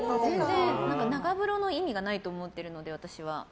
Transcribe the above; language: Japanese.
長風呂の意味がないと思ってるので、私は。